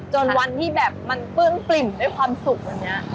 จนวันที่แบบมันเปลื้องปริ่มได้ความสุขอย่างนี้